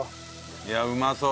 いやうまそう。